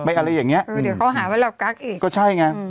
ไปอะไรอย่างเงี้ยอืมเดี๋ยวเขาหาไว้แล้วกั๊กอีกก็ใช่ไงอืม